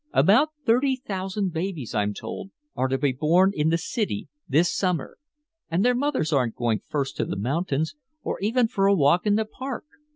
About thirty thousand babies, I'm told, are to be born in the city this summer and their mothers aren't going first to the mountains or even for a walk in the Park.